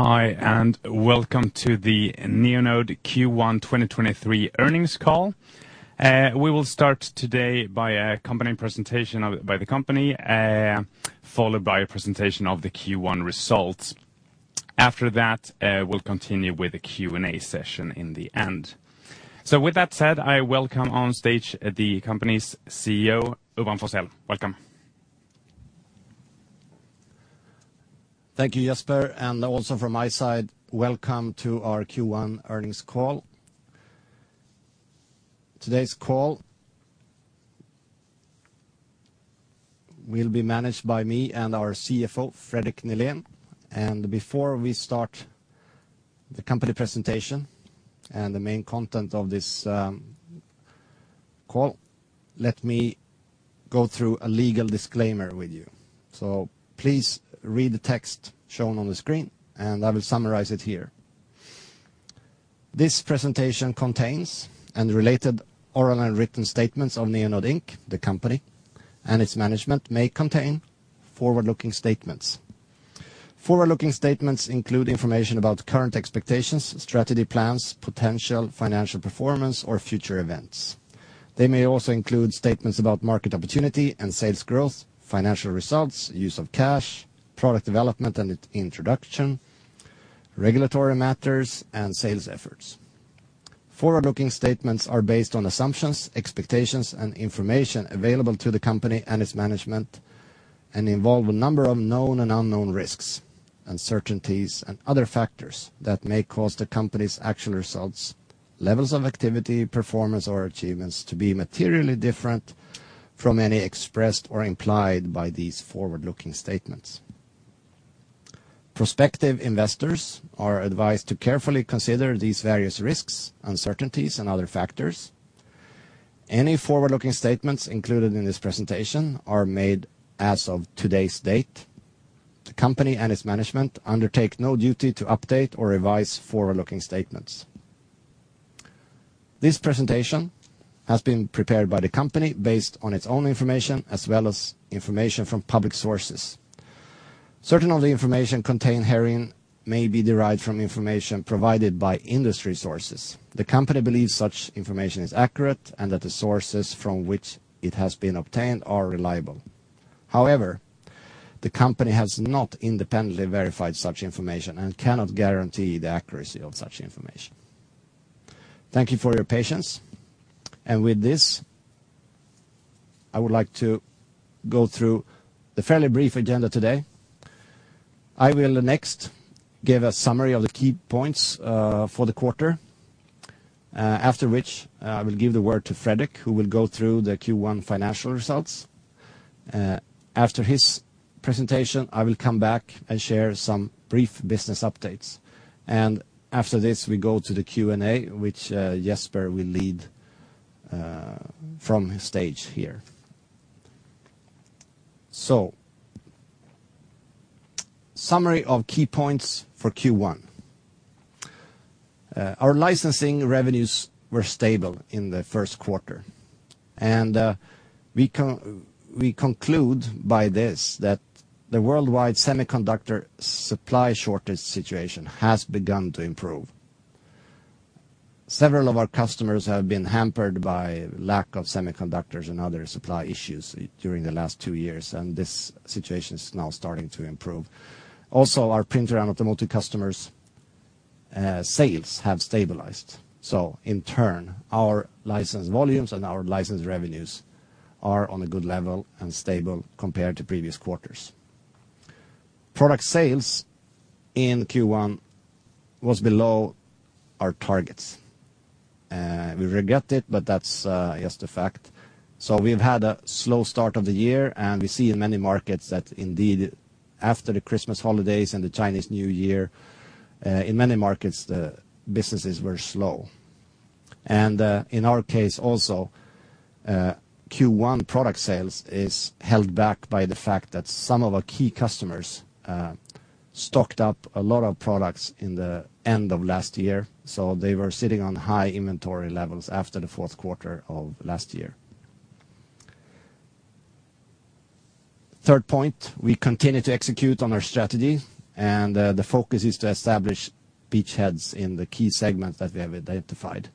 Hi, and welcome to the Neonode Q1 2023 earnings call. We will start today by a company presentation by the company, followed by a presentation of the Q1 results. After that, we'll continue with a Q&A session in the end. With that said, I welcome on stage the company's CEO, Urban Forssell. Welcome. Thank you, Jesper. Also from my side, welcome to our Q1 earnings call. Today's call will be managed by me and our CFO, Fredrik Nihlén. Before we start the company presentation and the main content of this call, let me go through a legal disclaimer with you. Please read the text shown on the screen, and I will summarize it here. This presentation contains related oral and written statements of Neonode, the company, and its management may contain forward-looking statements. Forward-looking statements include information about current expectations, strategy plans, potential financial performance, or future events. They may also include statements about market opportunity and sales growth, financial results, use of cash, product development and its introduction, regulatory matters, and sales efforts. Forward-looking statements are based on assumptions, expectations, and information available to the company and its management, and involve a number of known and unknown risks, uncertainties, and other factors that may cause the company's actual results, levels of activity, performance, or achievements to be materially different from any expressed or implied by these forward-looking statements. Prospective investors are advised to carefully consider these various risks, uncertainties, and other factors. Any forward-looking statements included in this presentation are made as of today's date. The company and its management undertake no duty to update or revise forward-looking statements. This presentation has been prepared by the company based on its own information, as well as information from public sources. Certain of the information contained herein may be derived from information provided by industry sources. The company believes such information is accurate and that the sources from which it has been obtained are reliable. However, the company has not independently verified such information and cannot guarantee the accuracy of such information. Thank you for your patience. With this, I would like to go through the fairly brief agenda today. I will next give a summary of the key points for the quarter, after which I will give the word to Fredrik, who will go through the Q1 financial results. After his presentation, I will come back and share some brief business updates. After this, we go to the Q&A, which Jesper will lead from his stage here. Summary of key points for Q1. Our licensing revenues were stable in the first quarter. We conclude by this that the worldwide semiconductor supply shortage situation has begun to improve. Several of our customers have been hampered by lack of semiconductors and other supply issues during the last two years, and this situation is now starting to improve. Also, our printer and automotive customers' sales have stabilized. In turn, our license volumes and our license revenues are on a good level and stable compared to previous quarters. Product sales in Q1 were below our targets. We regret it, but that's just a fact. We've had a slow start of the year, and we see in many markets that indeed, after the Christmas holidays and the Chinese New Year, in many markets, the businesses were slow. In our case, also, Q1 product sales were held back by the fact that some of our key customers stocked up a lot of products at the end of last year. They were sitting on high inventory levels after the fourth quarter of last year. Third point, we continue to execute on our strategy, and the focus is to establish beachheads in the key segments that we have identified.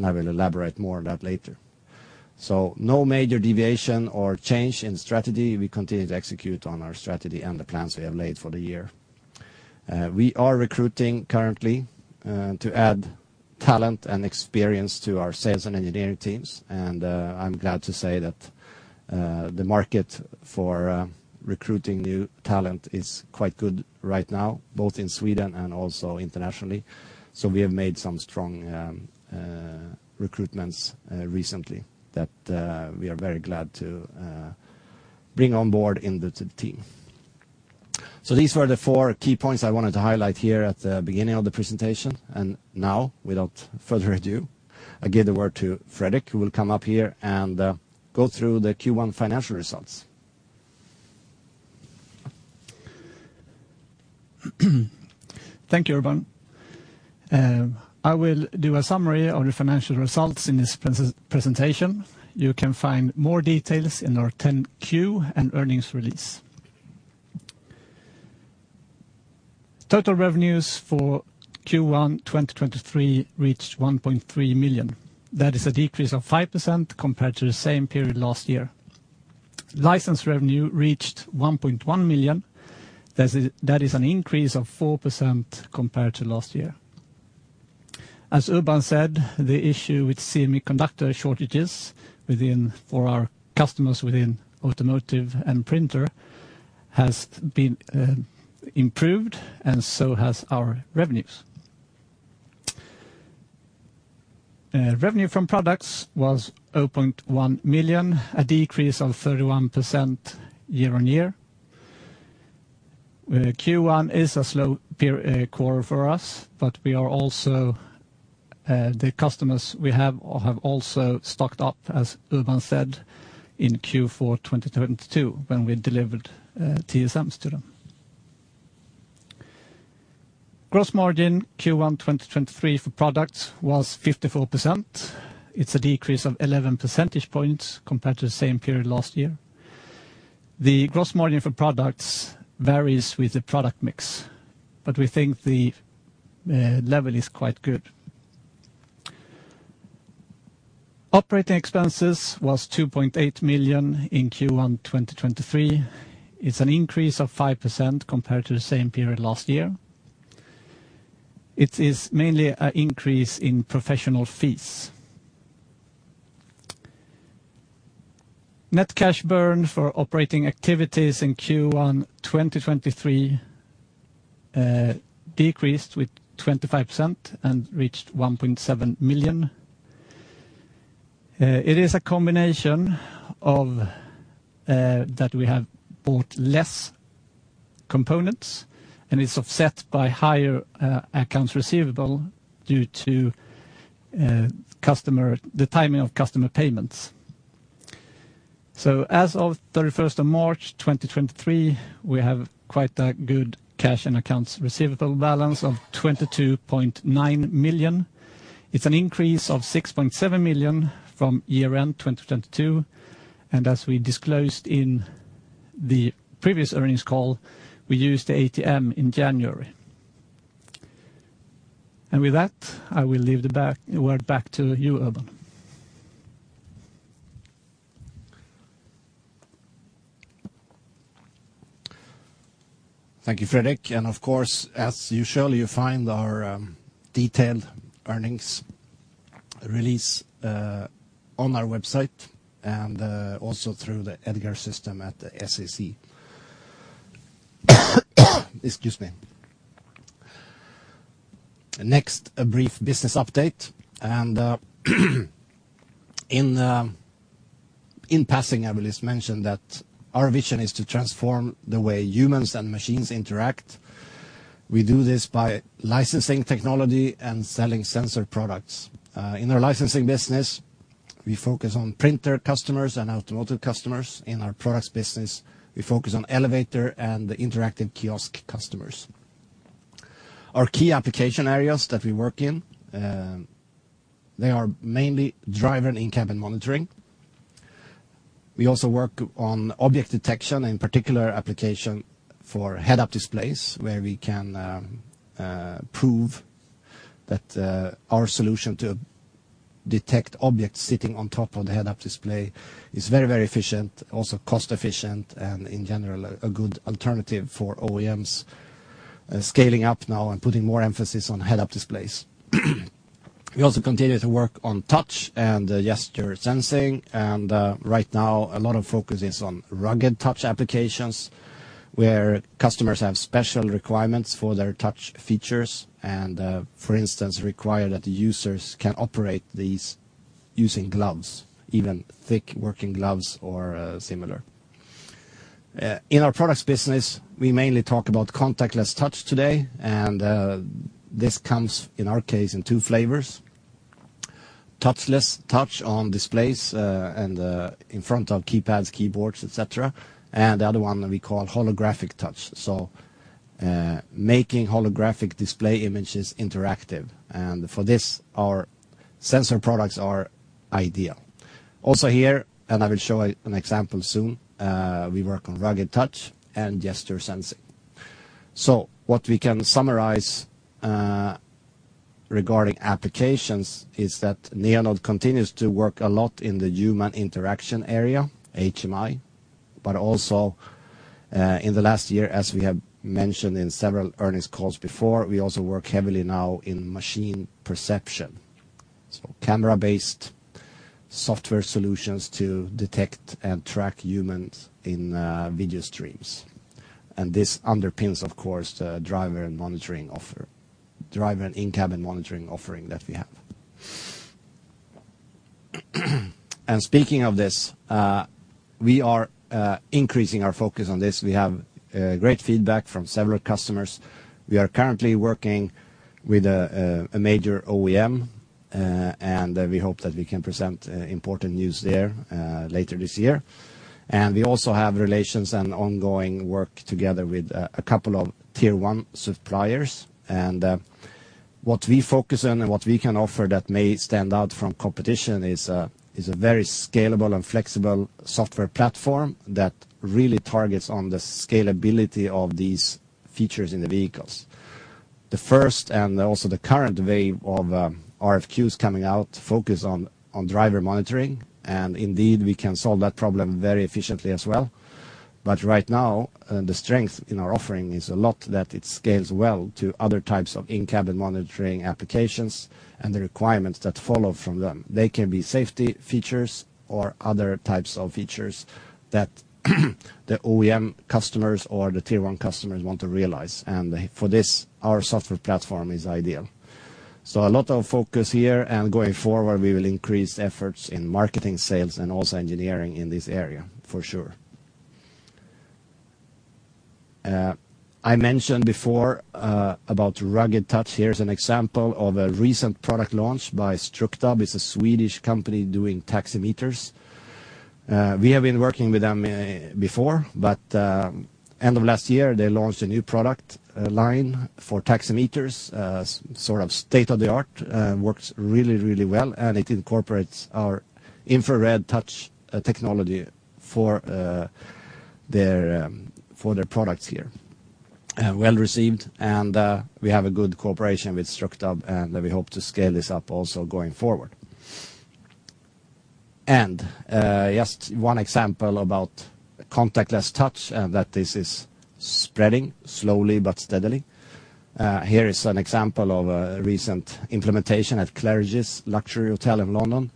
I will elaborate more on that later. No major deviation or change in strategy. We continue to execute on our strategy and the plans we have laid for the year. We are recruiting currently to add talent and experience to our sales and engineering teams. I'm glad to say that the market for recruiting new talent is quite good right now, both in Sweden and also internationally. We have made some strong recruitments recently that we are very glad to bring on board into the team. These were the four key points I wanted to highlight here at the beginning of the presentation. Without further ado, I give the word to Fredrik, who will come up here and go through the Q1 financial results. Thank you, Urban. I will do a summary of the financial results in this presentation. You can find more details in our 10Q and earnings release. Total revenues for Q1 2023 reached $1.3 million. That is a decrease of 5% compared to the same period last year. License revenue reached $1.1 million. That is an increase of 4% compared to last year. As Urban said, the issue with semiconductor shortages for our customers within automotive and printer has been improved, and so have our revenues. Revenue from products was $0.1 million, a decrease of 31% yea-on-year. Q1 is a slow quarter for us, but we are also the customers we have have also stocked up, as Urban said, in Q4 2022 when we delivered TSMs to them. Gross margin Q1 2023 for products was 54%. It's a decrease of 11 percentage points compared to the same period last year. The gross margin for products varies with the product mix, but we think the level is quite good. Operating expenses were $2.8 million in Q1 2023. It's an increase of 5% compared to the same period last year. It is mainly an increase in professional fees. Net cash burn for operating activities in Q1 2023 decreased by 25% and reached $1.7 million. It is a combination that we have bought less components, and it's offset by higher accounts receivable due to the timing of customer payments. As of 31 March 2023, we have quite a good cash and accounts receivable balance of $22.9 million. It's an increase of $6.7 million from year-end 2022. As we disclosed in the previous earnings call, we used the ATM in January. With that, I will leave the word back to you, Urban. Thank you, Fredrik. Of course, as usual, you find our detailed earnings release on our website and also through the Edgar system at the SEC. Excuse me. Next, a brief business update. In passing, I will just mention that our vision is to transform the way humans and machines interact. We do this by licensing technology and selling sensor products. In our licensing business, we focus on printer customers and automotive customers. In our products business, we focus on elevator and interactive kiosk customers. Our key application areas that we work in, they are mainly driver and in-cabin monitoring. We also work on object detection, in particular application for head-up displays, where we can prove that our solution to detect objects sitting on top of the head-up display is very, very efficient, also cost-efficient, and in general, a good alternative for OEMs scaling up now and putting more emphasis on head-up displays. We also continue to work on touch and gesture sensing. Right now, a lot of focus is on rugged touch applications, where customers have special requirements for their touch features and, for instance, require that the users can operate these using gloves, even thick working gloves or similar. In our products business, we mainly talk about contactless touch today. This comes, in our case, in two flavors: touchless touch on displays and in front of keypads, keyboards, etc., and the other one we call holographic touch. Making holographic display images interactive. For this, our sensor products are ideal. Also here, and I will show an example soon, we work on rugged touch and gesture sensing. What we can summarize regarding applications is that Neonode continues to work a lot in the human interaction area, HMI, but also in the last year, as we have mentioned in several earnings calls before, we also work heavily now in machine perception. Camera-based software solutions to detect and track humans in video streams. This underpins, of course, the driver monitoring offering that we have. Speaking of this, we are increasing our focus on this. We have great feedback from several customers. We are currently working with a major OEM, and we hope that we can present important news there later this year. We also have relations and ongoing work together with a couple of tier-one suppliers. What we focus on and what we can offer that may stand out from competition is a very scalable and flexible software platform that really targets the scalability of these features in the vehicles. The first and also the current wave of RFQs coming out focuses on driver monitoring. Indeed, we can solve that problem very efficiently as well. Right now, the strength in our offering is a lot that it scales well to other types of in-cabin monitoring applications and the requirements that follow from them. They can be safety features or other types of features that the OEM customers or the tier-one customers want to realize. For this, our software platform is ideal. A lot of focus here. Going forward, we will increase efforts in marketing, sales, and also engineering in this area, for sure. I mentioned before about rugged touch. Here's an example of a recent product launch by Strukta. It's a Swedish company doing taximeters. We have been working with them before, but at the end of last year, they launched a new product line for taximeters, sort of state-of-the-art, works really, really well, and it incorporates our infrared touch technology for their products here. Well received. We have a good cooperation with Strukta, and we hope to scale this up also going forward. Just one example about contactless touch and that this is spreading slowly but steadily. Here is an example of a recent implementation at Claridge's luxury hotel in London.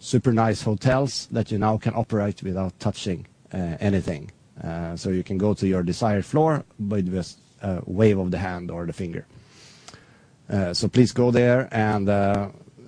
Super nice hotels that you now can operate without touching anything. You can go to your desired floor with just a wave of the hand or the finger. Please go there and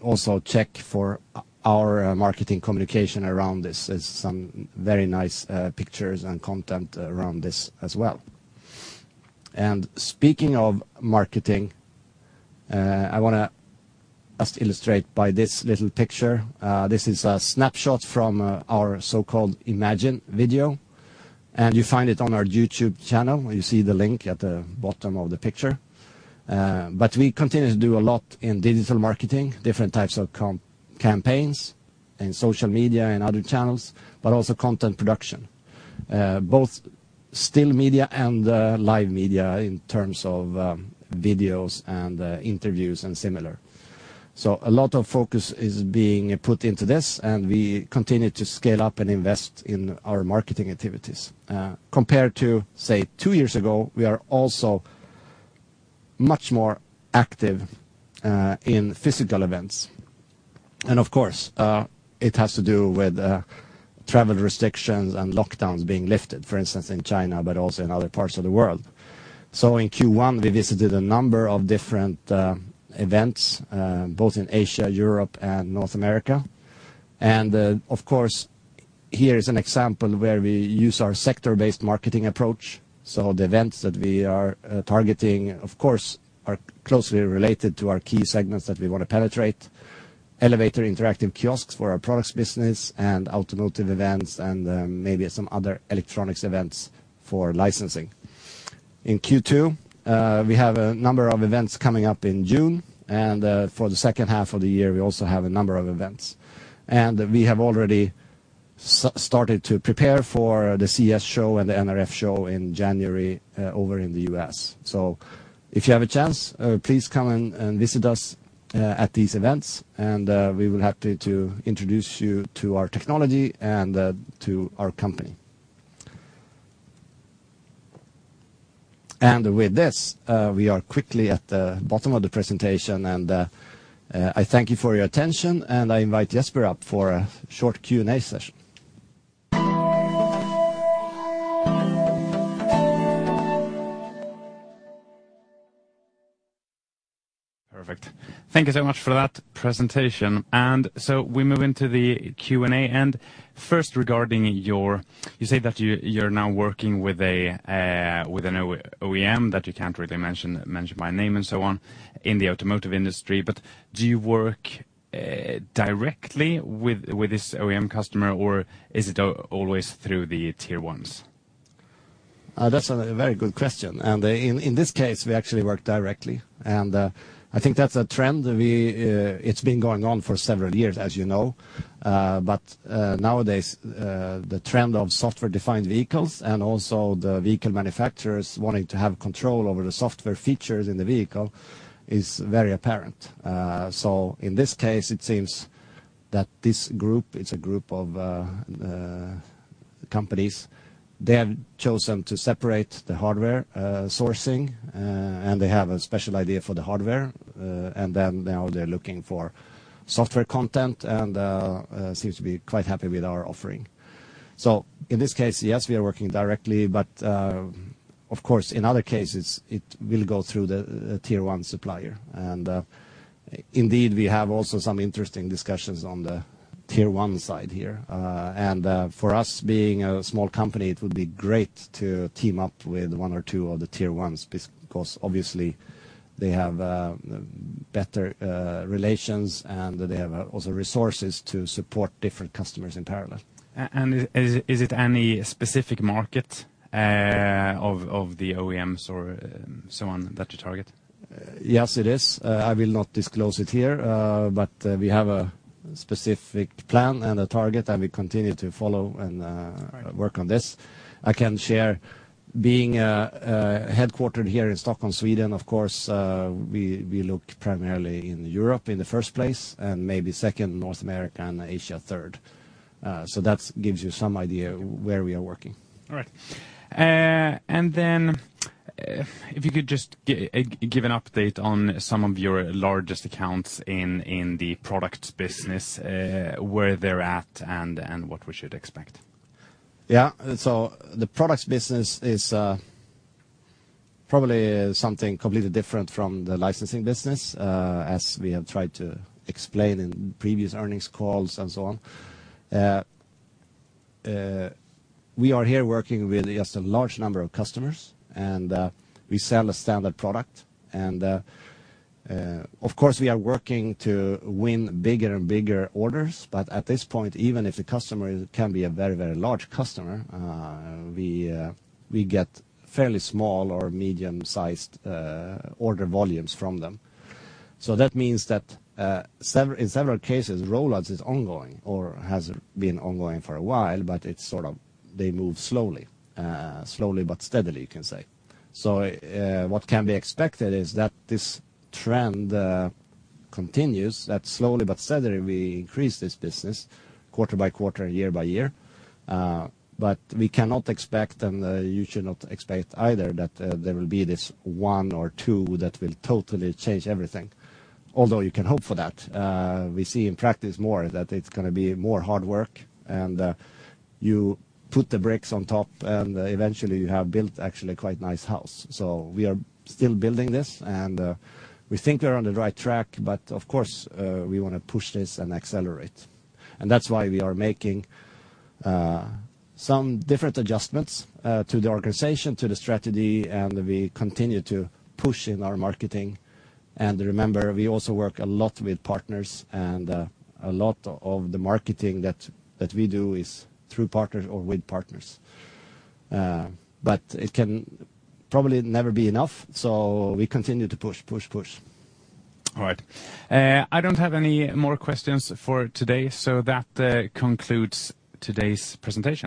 also check for our marketing communication around this. There are some very nice pictures and content around this as well. Speaking of marketing, I want to just illustrate by this little picture. This is a snapshot from our so-called Imagine video. You find it on our YouTube channel. You see the link at the bottom of the picture. We continue to do a lot in digital marketing, different types of campaigns in social media and other channels, but also content production, both still media and live media in terms of videos and interviews and similar. A lot of focus is being put into this, and we continue to scale up and invest in our marketing activities. Compared to, say, two years ago, we are also much more active in physical events. It has to do with travel restrictions and lockdowns being lifted, for instance, in China, but also in other parts of the world. In Q1, we visited a number of different events, both in Asia, Europe, and North America. Here is an example where we use our sector-based marketing approach. The events that we are targeting are closely related to our key segments that we want to penetrate: elevator, interactive kiosks for our products business, and automotive events, and maybe some other electronics events for licensing. In Q2, we have a number of events coming up in June. For the second half of the year, we also have a number of events. We have already started to prepare for the CES show and the NRF show in January over in the U.S. If you have a chance, please come and visit us at these events, and we will happily introduce you to our technology and to our company. With this, we are quickly at the bottom of the presentation. I thank you for your attention, and I invite Jesper up for a short Q&A session. Perfect. Thank you so much for that presentation. We move into the Q&A. First, regarding your, you say that you're now working with an OEM that you can't really mention by name and so on in the automotive industry, but do you work directly with this OEM customer, or is it always through the tier ones? That's a very good question. In this case, we actually work directly. I think that's a trend that has been going on for several years, as you know. Nowadays, the trend of software-defined vehicles and also the vehicle manufacturers wanting to have control over the software features in the vehicle is very apparent. In this case, it seems that this group, it's a group of companies, has chosen to separate the hardware sourcing, and they have a special idea for the hardware. Now they're looking for software content and seem to be quite happy with our offering. In this case, yes, we are working directly, but of course, in other cases, it will go through the tier-one supplier. Indeed, we have also some interesting discussions on the tier-one side here. For us, being a small company, it would be great to team up with one or two of the tier ones because obviously, they have better relations and they have also resources to support different customers in parallel. Is it any specific market of the OEMs or so on that you target? Yes, it is. I will not disclose it here, but we have a specific plan and a target, and we continue to follow and work on this. I can share, being headquartered here in Stockholm, Sweden, of course, we look primarily in Europe in the first place and maybe second North America and Asia third. That gives you some idea where we are working. All right. If you could just give an update on some of your largest accounts in the products business, where they're at and what we should expect. Yeah. The products business is probably something completely different from the licensing business, as we have tried to explain in previous earnings calls and so on. We are here working with just a large number of customers, and we sell a standard product. Of course, we are working to win bigger and bigger orders. At this point, even if the customer can be a very, very large customer, we get fairly small or medium-sized order volumes from them. That means that in several cases, rollout is ongoing or has been ongoing for a while, but it's sort of they move slowly, slowly but steadily, you can say. What can be expected is that this trend continues, that slowly but steadily, we increase this business quarter by quarter and year-by-year. But we cannot expect, and you should not expect either, that there will be this one or two that will totally change everything, although you can hope for that. We see in practice more that it's going to be more hard work, and you put the bricks on top, and eventually, you have built actually a quite nice house. So, we are still building this, and we think we're on the right track, but of course, we want to push this and accelerate. And that's why we are making some different adjustments to the organization, to the strategy, and we continue to push in our marketing. And remember, we also work a lot with partners, and a lot of the marketing that we do is through partners or with partners. But it can probably never be enough. So, we continue to push, push, push. All right. I do not have any more questions for today. That concludes today's presentation.